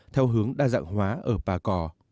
theo hướng đa dạng hóa ở bà cò